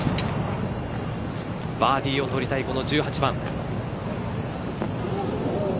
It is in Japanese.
バーディーを取りたいこの１８番。